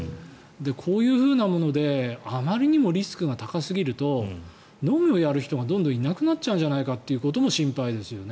こういうふうなものであまりにもリスクが高すぎると農業やる人がどんどんいなくなっちゃうんじゃないかということも心配ですよね。